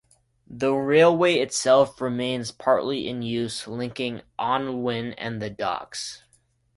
The railway itself remains partly in use, linking Onllwyn and the docks.